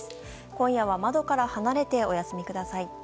今夜は窓から離れてお休みください。